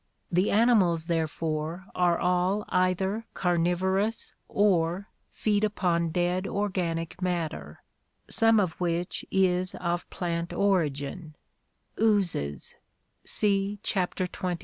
The animals therefore are all either carnivorous or feed upon dead organic matter, some of which is of plant origin (oozes, see Chapter XXIII).